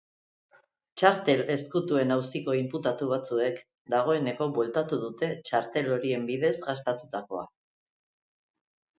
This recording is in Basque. Txartel ezkutuen auziko inputatu batzuek dagoeneko bueltatu dute txartel horien bidez gastatutakoa.